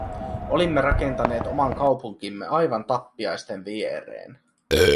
Olimme rakentaneet oman kaupunkimme aivan tappiaisten viereen.